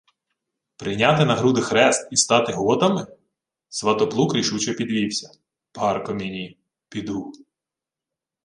— Прийняти на груди хрест і стати готами? — Сватоплук рішуче підвівся. — Парко мені. Піду.